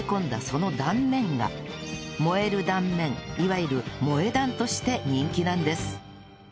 その断面が萌える断面いわゆる「萌え断」として人気なんです